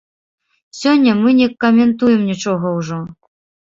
Сёння мы не каментуем нічога ўжо.